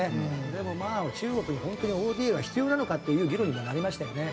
でもまあ中国に本当にＯＤＡは必要なのかっていう議論にはなりましたよね。